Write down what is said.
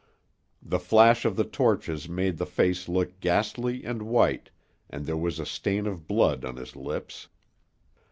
The flash of the torches made the face look ghastly and white, and there was a stain of blood on his lips.